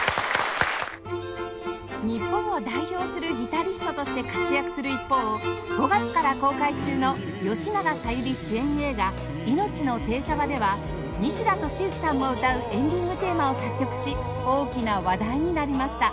日本を代表するギタリストとして活躍する一方５月から公開中の吉永小百合主演映画『いのちの停車場』では西田敏行さんも歌うエンディングテーマを作曲し大きな話題になりました